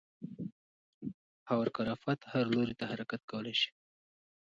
هاورکرافت هر لوري ته حرکت کولی شي.